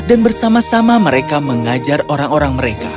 dan bersama sama mereka mengajar orang orang mereka